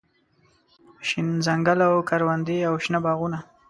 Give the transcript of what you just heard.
شين ځنګل او کروندې او شنه باغونه